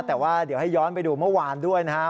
แต่ว่าเดี๋ยวให้ย้อนไปดูเมื่อวานด้วยนะครับ